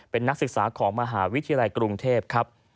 เป็นนักศึกษาของมหาวิทยาลัยกรุงเทพครับ